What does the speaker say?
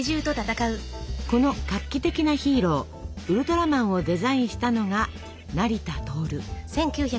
この画期的なヒーローウルトラマンをデザインしたのが成田亨。